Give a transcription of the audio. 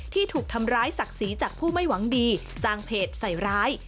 ถูกทำร้ายศักดิ์ศรีจากผู้ไม่หวังดีจ้างเพจใส่ร้าย